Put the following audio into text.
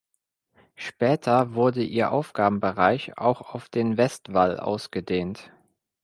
Später wurde ihr Aufgabenbereich auch auf den Westwall ausgedehnt.